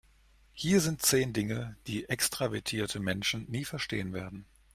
Hier sind zehn Dinge, die extravertierte Menschen nie verstehen werden.